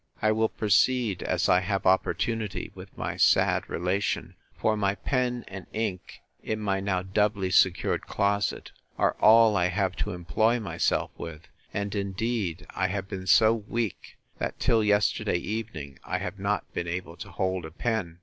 I will proceed, as I have opportunity, with my sad relation: for my pen and ink (in my now doubly secured closet) are all I have to employ myself with: and indeed I have been so weak, that, till yesterday evening, I have not been able to hold a pen.